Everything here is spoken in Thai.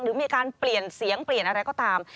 หรือมีการเปลี่ยนเสียงเปลี่ยนอะไรก็ตาม